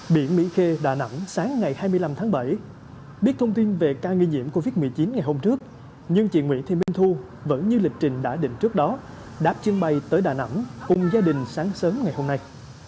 biển mỹ khê đà nẵng sáng ngày hai mươi năm tháng bảy biết thông tin về ca nghi nhiễm covid một mươi chín ngày hôm trước nhưng chị nguyễn thị minh thu vẫn như lịch trình đã định trước đó đã trưng bày tới đà nẵng cùng gia đình sáng sớm ngày hôm nay